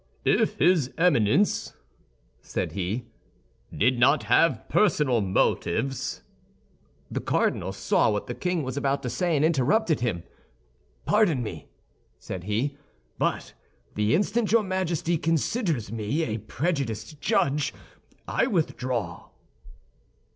"If his Eminence," said he, "did not have personal motives—" The cardinal saw what the king was about to say and interrupted him: "Pardon me," said he; "but the instant your Majesty considers me a prejudiced judge, I withdraw."